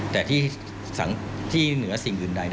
แต่ที่เหนือสิ่งอื่นใด